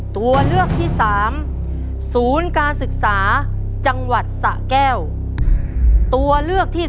ตัวเลือกที่สามศูนย์การศึกษาจังหวัดสะแก้วตัวเลือกที่๓